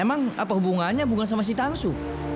apa hubungannya memang dengan si tang su